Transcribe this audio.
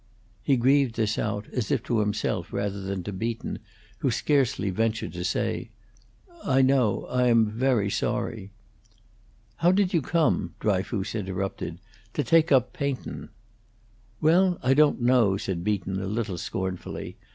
He grieved this out as if to himself rather than to Beaton, who, scarcely ventured to say, "I know I am very sorry " "How did you come," Dryfoos interrupted, "to take up paintin'?" "Well, I don't know," said Beaton, a little scornfully.